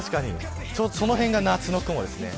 その辺が夏の雲ですね。